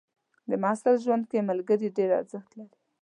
د محصل ژوند کې ملګري ډېر ارزښت لري.